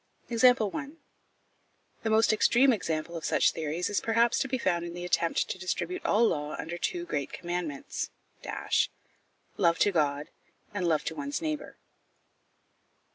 The most extreme example of such theories is perhaps to be found in the attempt to distribute all law under the two great commandments love to God, and love to one's neighbour.